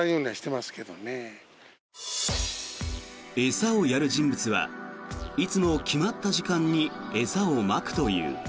餌をやる人物はいつも決まった時間に餌をまくという。